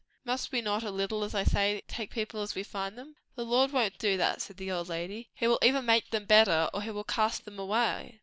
Must we not, a little, as I said, take people as we find them?" "The Lord won't do that," said the old lady. "He will either make them better, or he will cast them away."